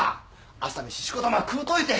朝飯しこたま食うといて。